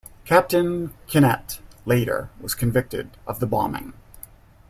Captain Kynette later was convicted of the bombing.